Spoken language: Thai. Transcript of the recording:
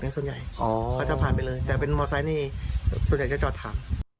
ส่วนใหญ่เขาจะผ่านไปเลยแต่เป็นมอไซค์นี่ส่วนใหญ่จะจอดถาม